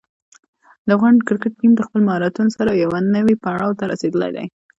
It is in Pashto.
د افغان کرکټ ټیم د خپلو مهارتونو سره یوه نوې پړاو ته رسېدلی دی.